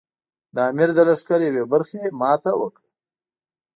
د امیر د لښکر یوې برخې ماته وکړه.